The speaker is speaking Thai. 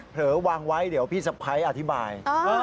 วางไว้เดี๋ยวพี่สะพ้ายอธิบาย